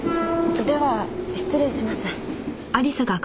では失礼します。